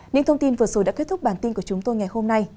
những thông tin vừa rồi đã kết thúc bản tin của chúng tôi ngày hôm nay